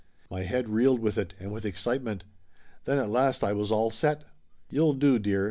My head reeled with it and with excitement. Then at last I was all set. "You'll do, dear